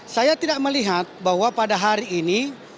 saya tidak melihat bahwa pada hari ini